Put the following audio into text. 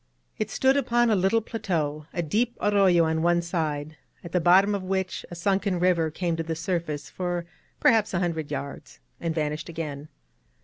It stood upon a little plateau, a deep arroyo on one side, at the bottom of which a sunken river came to the surface for perhaps a hundred yards, and vanished again.